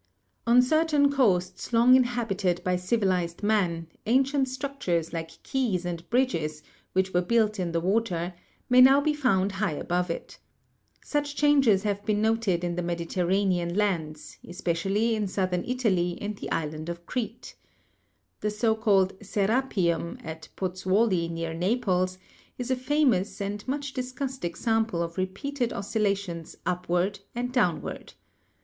On certain coasts long inhabited by civilized man, an cient structures like quays and bridges, which were built in the water, may now be found high above it. Such changes have been noted in the Mediterranean lands, es pecially in southern Italy and the island of Crete. The so called 'Serapeum' at Pozzuoli, near Naples, is a famous and much discussed example of repeated oscillations up ward and downward.